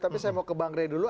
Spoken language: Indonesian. tapi saya mau ke bank raya dulu